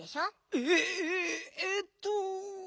えっ？えっと。